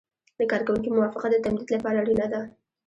د کارکوونکي موافقه د تمدید لپاره اړینه ده.